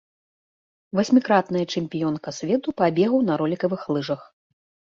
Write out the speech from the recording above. Васьмікратная чэмпіёнка свету па бегу на ролікавых лыжах.